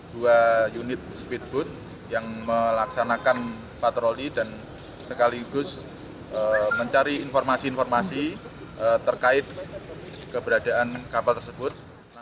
dua unit speedboat yang melaksanakan patroli dan sekaligus mencari informasi informasi terkait keberadaan kapal tersebut